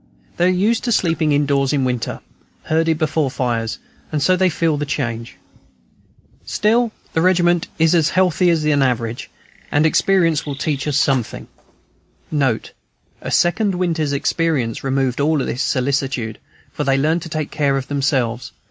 They are used to sleeping indoors in winter, herded before fires, and so they feel the change. Still, the regiment is as healthy as the average, and experience will teach us something.* * A second winter's experience removed all this solicitude, for they learned to take care of themselves.